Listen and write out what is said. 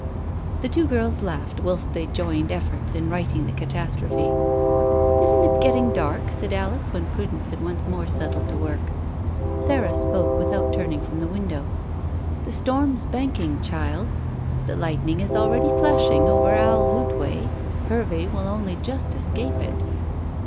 The two girls laughed whilst they joined efforts in righting the catastrophe. "Isn't it getting dark?" said Alice, when Prudence had once more settled to work. Sarah spoke without turning from the window. "The storm's banking, child. The lightning is already flashing over Owl Hoot way. Hervey will only just escape it."